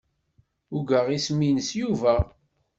Ugaɣ isem-nnes Yuba.